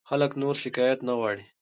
خلک نور شکایت نه غواړي.